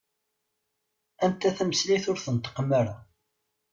Anta tameslayt ur tenṭiqem-ara?